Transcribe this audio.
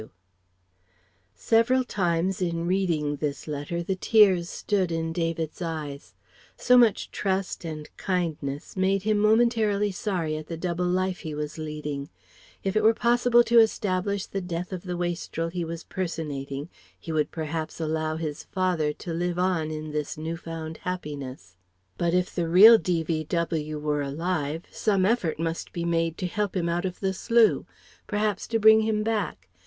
V. W. Several times in reading this letter the tears stood in David's eyes. So much trust and kindness made him momentarily sorry at the double life he was leading. If it were possible to establish the death of the wastrel he was personating he would perhaps allow his "father" to live on in this new found happiness; but if the real D.V.W. were alive some effort must be made to help him out of the slough perhaps to bring him back.